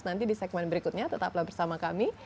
nanti di segmen berikutnya tetaplah bersama kami